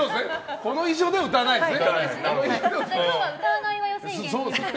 この衣装では歌わないですね。